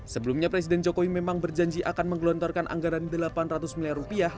sebelumnya presiden jokowi memang berjanji akan menggelontorkan anggaran delapan ratus miliar rupiah